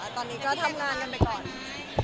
ตอนนี้ก็ทำงานกันไปก่อน